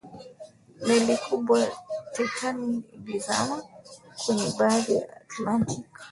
meli kubwa ya titanic ilizama kwenye bahari ya atlantic